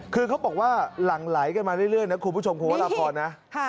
คือเขาบอกว่าหลังไหลกันมาเรื่อยนะครอบคุณผู้ชมครับผมนะ